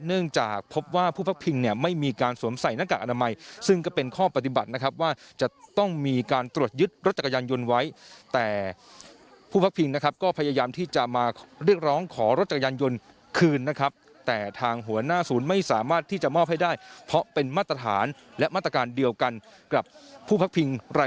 เนื่องจากพบว่าผู้พักพิงเนี่ยไม่มีการสวมใส่หน้ากากอนามัยซึ่งก็เป็นข้อปฏิบัตินะครับว่าจะต้องมีการตรวจยึดรถจักรยานยนต์ไว้แต่ผู้พักพิงนะครับก็พยายามที่จะมาเรียกร้องขอรถจักรยานยนต์คืนนะครับแต่ทางหัวหน้าศูนย์ไม่สามารถที่จะมอบให้ได้เพราะเป็นมาตรฐานและมาตรการเดียวกันกับผู้พักพิงราย